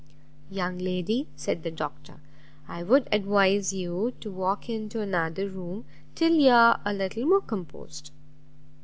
"Young lady," said the doctor, "I would advise you to walk into another room till you are a little more composed."